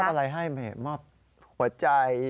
โมบอะไรให้โมบหัวใจ